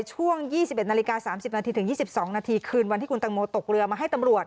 ช่วง๒๑นาฬิกา๓๐นาทีถึง๒๒นาทีคืนวันที่คุณตังโมตกเรือมาให้ตำรวจ